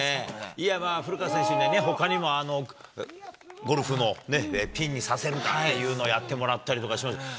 いや、まあ、古川選手ね、ほかにもゴルフもね、ピンにさせるかっていうのをやってもらったりしましたけど。